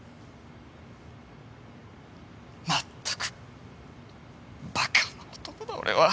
まったくバカな男だ俺は。